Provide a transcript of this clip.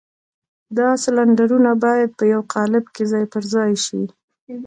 دا سلنډرونه بايد په يوه قالب کې ځای پر ځای شي.